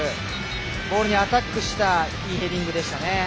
ゴールにアタックしたいいヘディングでしたね。